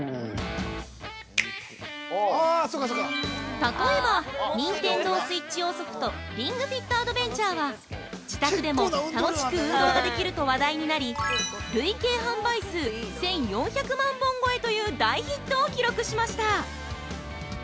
◆例えば、ＮｉｎｔｅｎｄｏＳｗｉｔｈｃｈ用ソフトリングフィットアドベンチャーは自宅ででも楽しく運動ができると話題になり累計販売数１４００万本超えという大ヒットを記録しました。